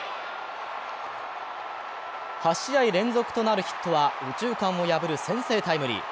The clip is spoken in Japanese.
８試合連続となるヒットは右中間を破る先制タイムリー。